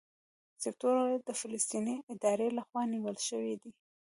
سیکټور اې د فلسطیني ادارې لخوا نیول شوی دی.